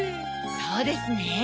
そうですね。